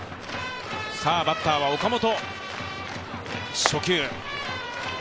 バッターは岡本。